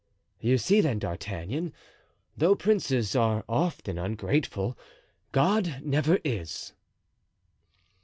"You see, then, D'Artagnan, though princes often are ungrateful, God never is."